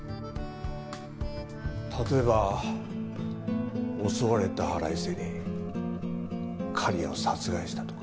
例えば襲われた腹いせに刈谷を殺害したとか。